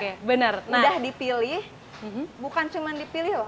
udah dipilih bukan cuman dipilih loh